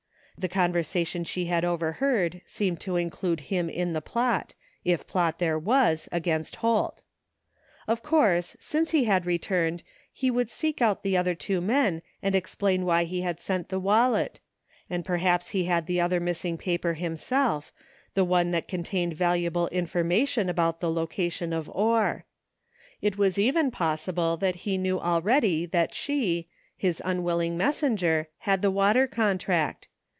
The conversation she had overheard seemed to include him in the plot, if plot there was, against Holt. Of course, since he had returned, he would seek out the other two men and explain why he had sent the wallet; and perhaps he had the other missing paper himself, the one that contained valuable information about the location of ore. It was even possible that he knew already that she, his unwilling messenger, had the water contract.